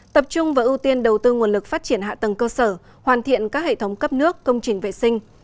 tập trung và ưu tiên đầu tư nguồn lực phát triển hạ tầng cơ sở hoàn thiện các hệ thống cấp nước công trình vệ sinh